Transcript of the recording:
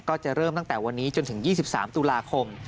ก็จะเริ่มตั้งแต่วันนี้จนถึง๒๓ตุลาคม